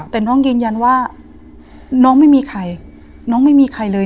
แต่น้องยืนยันว่าน้องไม่มีใครน้องไม่มีใครเลย